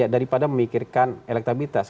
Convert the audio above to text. daripada memikirkan elektabilitas